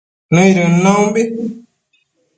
nëidën naumbi